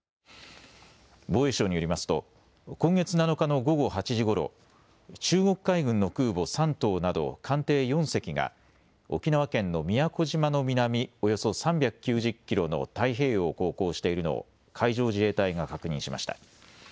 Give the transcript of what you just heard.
防衛省によりますと今月７日の午後８時ごろ、中国海軍の空母、山東など艦艇４隻が沖縄県の宮古島の南およそ３９０キロの太平洋を航行しているのを海上自衛隊が確認しました。